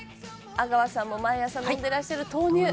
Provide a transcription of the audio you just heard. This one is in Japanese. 「阿川さんも毎朝飲んでらっしゃる豆乳！」